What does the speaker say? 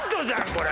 これ。